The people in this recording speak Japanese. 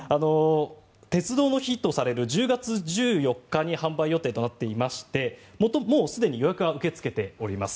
鉄道の日とされる１０月１４日に販売予定となっていましてもうすでに予約は受け付けております。